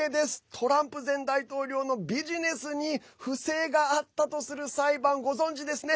トランプ前大統領のビジネスに不正があったとする裁判ご存じですね？